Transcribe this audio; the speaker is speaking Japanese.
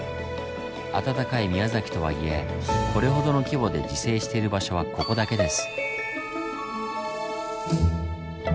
暖かい宮崎とはいえこれほどの規模で自生している場所はここだけです。